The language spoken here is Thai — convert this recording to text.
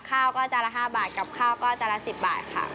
ข้าวก็จานละ๕บาทกับข้าวก็จานละ๑๐บาทค่ะ